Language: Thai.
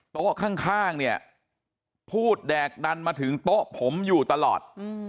โต๊ะข้างเนี่ยพูดแดกดันมาถึงโต๊ะผมอยู่ตลอด